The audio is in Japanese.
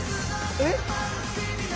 「えっ？」